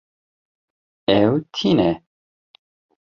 Ew tîne.